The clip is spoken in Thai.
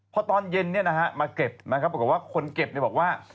พอตอนเย็นมาเก็บนะครับปรากฏว่าคนเก็บบอกว่า